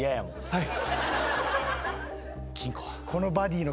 はい。